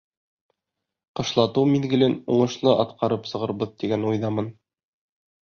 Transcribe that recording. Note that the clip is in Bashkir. Ҡышлатыу миҙгелен уңышлы атҡарып сығырбыҙ тигән уйҙамын.